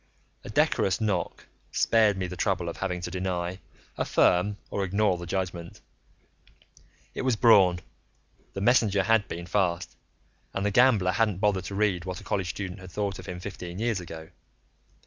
A decorous knock spared me the trouble of having to deny, affirm or ignore the judgment. It was Braun; the messenger had been fast, and the gambler hadn't bothered to read what a college student had thought of him fifteen years ago.